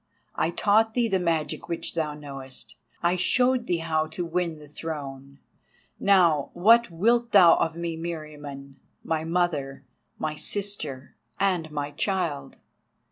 I taught thee the magic which thou knowest; I showed thee how to win the Throne! Now, what wilt thou of me, Meriamun, my Mother, my Sister, and my Child?